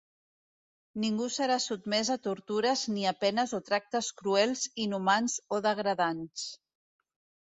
Ningú serà sotmès a tortures ni a penes o tractes cruels, inhumans o degradants.